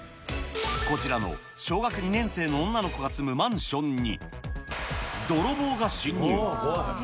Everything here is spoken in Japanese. こちらの小学２年生の女の子の住むマンションに、泥棒が侵入。